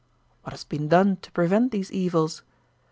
What has been done to prevent these evils?